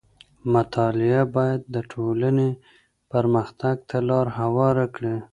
مطالعه بايد د ټولنې پرمختګ ته لار هواره کړي.